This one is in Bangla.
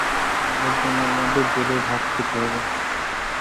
এর জন্য আমাদের জেলের ভাত খেতে হবে।